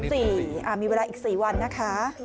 วันที่๑๔มีเวลาอีก๔วันนะคะ